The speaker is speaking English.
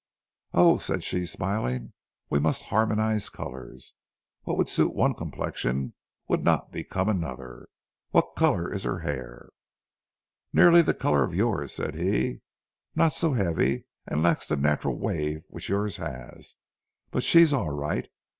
"'Oh,' said she, smiling, 'we must harmonize colors. What would suit one complexion would not become another. What color is her hair?' "'Nearly the color of yours,' said he. 'Not so heavy and lacks the natural wave which yours has—but she's all right.